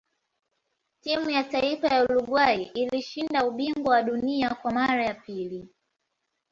timu ya taifa ya uruguay ilishinda ubingwa wa dunia Kwa mara ya pili